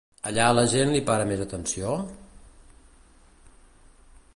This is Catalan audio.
Allà la gent li para més atenció?